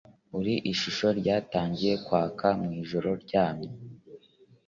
Iri shusho ryatangiye kwaka mw’ijoro ryamye